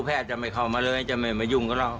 จะไม่เข้ามาเลยจะไม่มายุ่งกับเรา